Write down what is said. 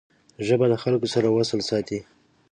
ژبه د خلګو سره وصل ساتي